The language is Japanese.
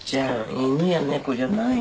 犬や猫じゃないのよ。